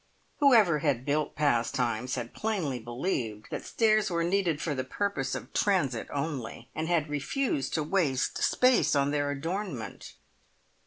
Whoever had built Pastimes had plainly believed that stairs were needed for the purpose of transit only, and had refused to waste space on their adornment.